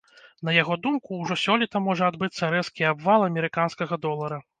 На яго думку, ужо сёлета можа адбыцца рэзкі абвал амерыканскага долара.